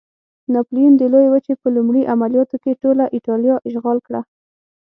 ناپلیون د لویې وچې په لومړي عملیاتو کې ټوله اېټالیا اشغال کړه.